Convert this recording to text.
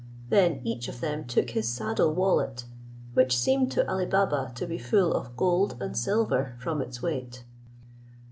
Then each of them took his saddle wallet, which seemed to Ali Baba to be full of gold and silver from its weight.